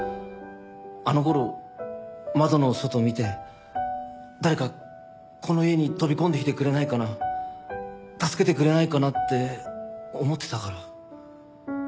あの頃窓の外見て誰かこの家に飛び込んできてくれないかな助けてくれないかなって思ってたから。